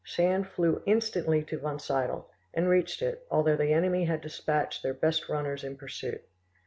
Sand flew instantly to Wonsiedel, and reached it, although the enemy had despatched their best runners in pursuit.